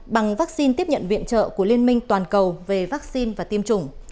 bằng vaccine tiếp nhận viện trợ của liên minh toàn cầu về vaccine và tiêm chủng